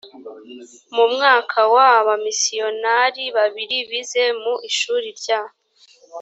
mu mwaka wa abamisiyonari babiri bize mu ishuri rya